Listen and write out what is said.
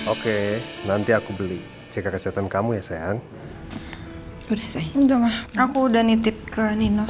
oke nanti aku beli cek kesehatan kamu ya sayang udah saya aku udah nitip ke nino